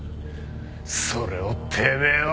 それをてめえは！